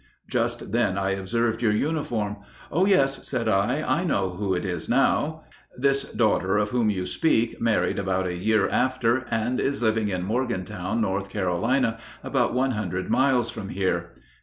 Just then I observed your uniform. 'Oh, yes,' said I; 'I know who it is now.' ... This daughter of whom you speak married about a year after, and is living in Morgantown, North Carolina, about one hundred miles from here.